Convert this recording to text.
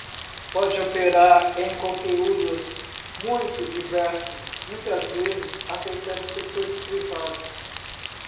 Pode operar em conteúdos muito diversos, muitas vezes afetando setores privados.